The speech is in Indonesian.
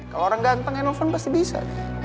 kalau orang ganteng yang nelfon pasti bisa